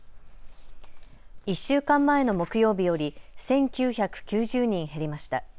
１週間前の木曜日より１９９０人減りました。